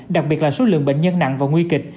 đặc biệt là số lượng bệnh nhân nặng và nguy kịch